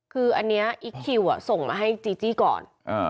คืออันนี้อิ๊กคิวส่งมาให้จีจี้ก่อน